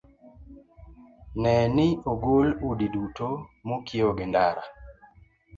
Ne ni ogol udi duto mokiewo gi ndara.